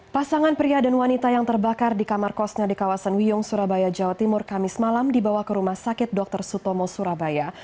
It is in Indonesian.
pasangan pria dan wanita yang terbakar di kamar kosnya di kawasan wiyung surabaya jawa timur kamis malam dibawa ke rumah sakit dr sutomo surabaya